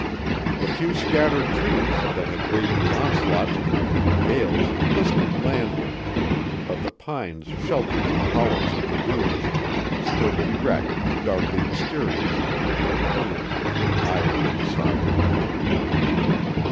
The few scattered trees that had braved the onslaughts of repeated gales listed landward, but the pines sheltered in the hollows of the dunes stood erect and darkly mysterious, their plumes bending idly in the soft wind.